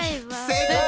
正解！